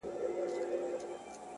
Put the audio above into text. زما ونه له تا غواړي راته ـ